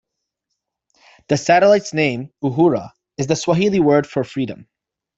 The satellite's name, "Uhuru", is the Swahili word for "freedom".